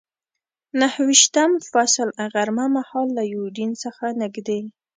نهه ویشتم فصل، غرمه مهال له یوډین څخه نږدې.